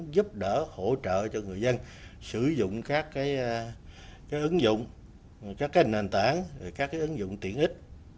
giúp đỡ hỗ trợ cho người dân sử dụng các cái ứng dụng các cái nền tảng các cái ứng dụng tiện ích